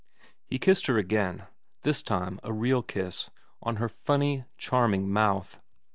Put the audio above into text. He kissed her again, this time a real kiss, on her funny, charming mouth.